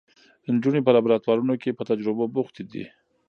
نجونې په لابراتوارونو کې په تجربو بوختې دي.